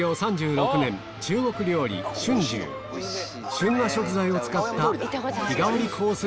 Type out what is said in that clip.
旬な食材を使った日替わりコース